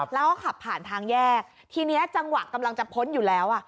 แล้วก็ขับผ่านทางแยกทีนี้จังหวะกำลังจะพ้นอยู่แล้ว